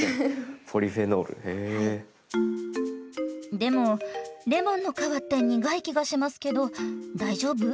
でもレモンの皮って苦い気がしますけど大丈夫？